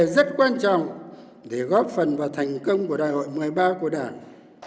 rất quan trọng để góp phần vào thành công của đại hội một mươi ba của đảng